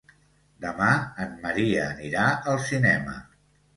Demà en Maria anirà al cinema.